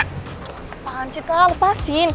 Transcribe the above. gapalahan sih tak lepasin